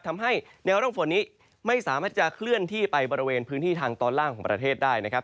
ทำให้แนวร่องฝนนี้ไม่สามารถจะเคลื่อนที่ไปบริเวณพื้นที่ทางตอนล่างของประเทศได้นะครับ